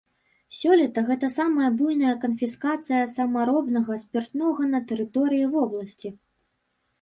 Сёлета гэта самая буйная канфіскацыя самаробнага спіртнога на тэрыторыі вобласці.